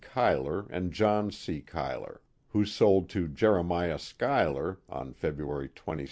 Cuyler and John C. Cuyler, who sold to Jeremiah Schuyler on February 22, 1817.